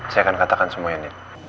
saya akan katakan semuanya nid